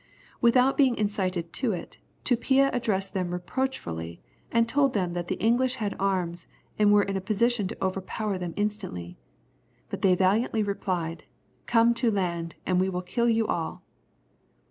Without being incited to it, Tupia addressed them reproachfully, and told them that the English had arms, and were in a position to overpower them instantly. But they valiantly replied, "Come to land, and we will kill you all!"